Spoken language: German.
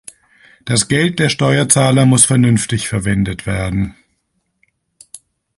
Das Geld der Steuerzahler muss vernünftig verwendet werden.